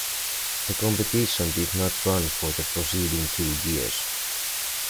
The competition did not run for the proceeding two years.